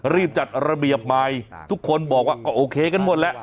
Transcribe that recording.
รีบจัดระเบียบใหม่ทุกคนบอกว่าก็โอเคกันหมดแล้ว